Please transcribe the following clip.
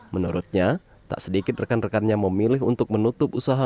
menurutnya tak sedikit rekan rekannya memilih untuk menutup usaha